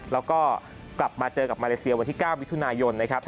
แล้วก็กลับมาเจอกับมาเลเซียวันที่๙มิถุนายนนะครับ